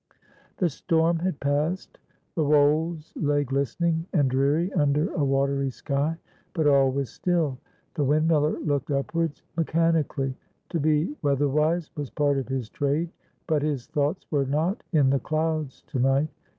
The storm had passed. The wolds lay glistening and dreary under a watery sky, but all was still. The windmiller looked upwards mechanically. To be weatherwise was part of his trade. But his thoughts were not in the clouds to night.